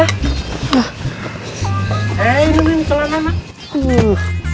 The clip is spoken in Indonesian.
hei ini pelanan aku